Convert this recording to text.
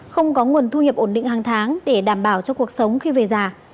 không có nguồn thu nhập ổn định hàng tháng để đảm bảo cho cuộc sống khi về già